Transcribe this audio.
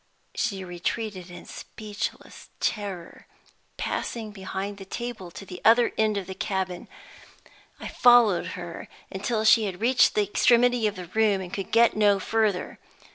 She retreated in speechless terror, passing behind the table to the other end of the cabin. I followed her until she had reached the extremity of the room and could get no further.